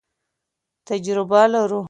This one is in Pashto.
تجربه لرو.